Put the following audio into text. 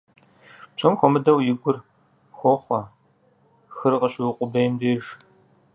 Псом хуэмыдэу и гур хохъуэ хыр къыщыукъубейм деж.